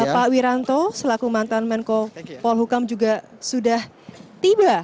pak wiranto selaku mantan menko polhukam juga sudah tiba